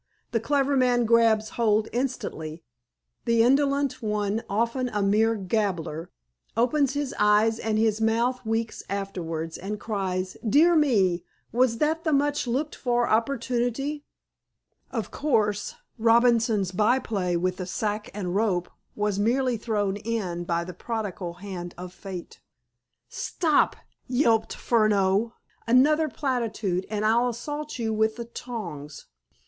The clever man grabs hold instantly. The indolent one, often a mere gabbler, opens his eyes and his mouth weeks afterwards, and cries, 'Dear me! Was that the much looked for opportunity?' Of course, Robinson's by play with the sack and rope was merely thrown in by the prodigal hand of Fate." "Stop!" yelped Furneaux. "Another platitude, and I'll assault you with the tongs!"